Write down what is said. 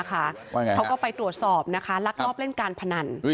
เขาก็ไปตรวจสอบนะคะลักลอบเล่นการพนัน